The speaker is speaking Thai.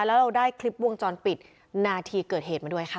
แล้วเราได้คลิปวงจรปิดนาทีเกิดเหตุมาด้วยค่ะ